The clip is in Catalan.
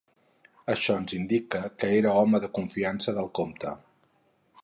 Això ens indica que era home de confiança del comte.